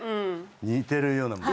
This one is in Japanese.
似てるようなもの。